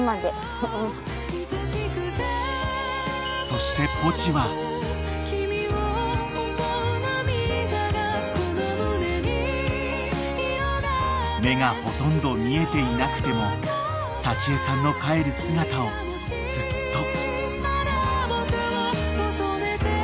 ［そして］［目がほとんど見えていなくても幸枝さんの帰る姿をずっと］